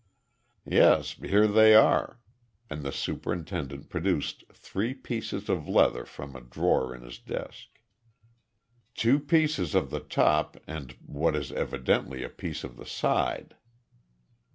"Yes, here they are," and the superintendent produced three pieces of leather from a drawer in his desk. "Two pieces of the top and what is evidently a piece of the side."